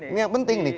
ini yang penting nih